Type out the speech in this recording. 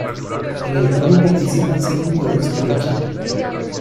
En el juego participan seis jugadores por equipo.